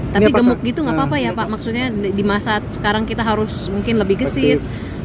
tapi gemuk gitu gak apa apa ya pak maksudnya di masa sekarang kita harus mungkin lebih gesit